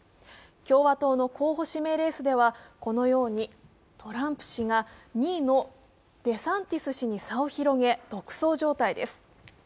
共和党の候補指名レースでは、このようにトランプ氏が２位のデサンティス氏に差を広げ、独走状態です。